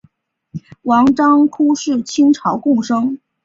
王章枯是清朝贡生。